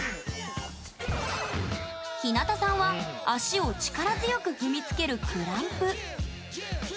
ひなたさんは足を力強く踏みつけるクランプ。